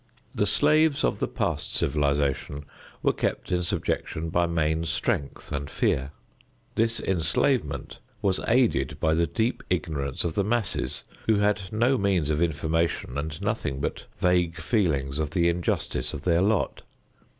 The slaves of the past civilization were kept in subjection by main strength and fear. This enslavement was aided by the deep ignorance of the masses who had no means of information and nothing but vague feelings of the injustice of their lot.